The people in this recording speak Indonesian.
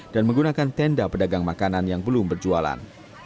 dan menggunakan tenda pedagang makanan yang belum berjualan